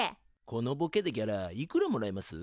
このボケでギャラいくらもらえます？